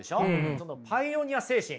そのパイオニア精神。